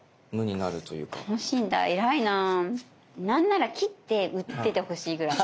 何なら切って売っててほしいぐらい。